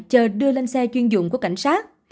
chờ đưa lên xe chuyên dụng của cảnh sát